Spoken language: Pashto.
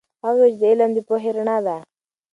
هغه وویل چې علم د پوهې رڼا ده.